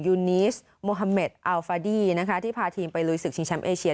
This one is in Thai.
ยูนิสโมฮาเมดอัลฟาดี้นะคะที่พาทีมไปลุยศึกชิงแชมป์เอเชีย